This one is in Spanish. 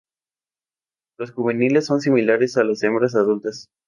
Los juveniles son similares a las hembras adultas.